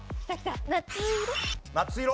「夏色」。